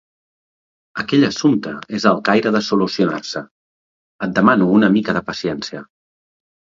Aquell assumpte és al caire de solucionar-se. Et demano una mica de paciència.